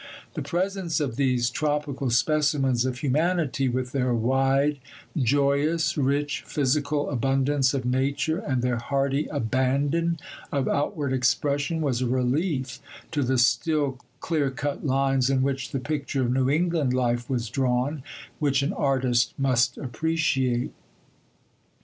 The presence of these tropical specimens of humanity, with their wide, joyous, rich physical abundance of nature and their hearty abandon of outward expression, was a relief to the still clear cut lines in which the picture of New England life was drawn, which an artist must appreciate.